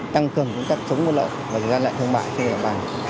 tăng cường những cách chống buôn lậu và trở lại thương mại trên địa bàn